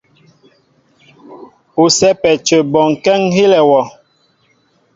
U sɛ́pɛ́ a cə bɔnkɛ́ ŋ́ hílɛ wɔ.